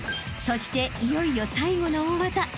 ［そしていよいよ最後の大技］